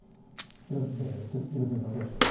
廣津留さん、どうでしょう。